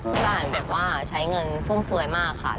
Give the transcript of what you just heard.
เพราะต้องใช้เงินเพื่อมือแบบนี้